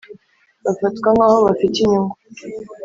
bafatwa nk aho bafite inyungu